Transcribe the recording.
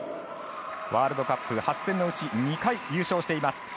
ワールドカップ８戦のうち２回優勝しています。